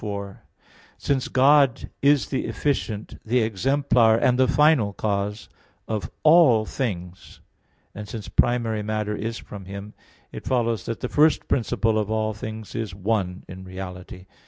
4: Since God is the efficient, the exemplar and the final cause of all things, and since primary matter is from Him, it follows that the first principle of all things is one in reality.